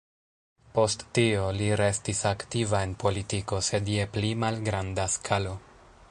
Post tio, li restis aktiva en politiko, sed je pli malgranda skalo.